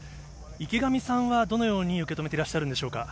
池上さんはどのように受け止めてらっしゃるんでしょうか。